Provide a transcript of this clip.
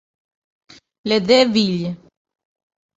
Les Deux-Villes